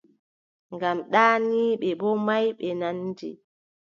Ngam ɗaaniiɓe boo maayɓe nandi.